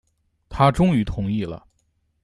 他终于同意了